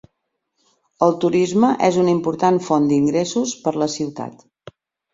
El turisme és una important font d'ingressos per la ciutat.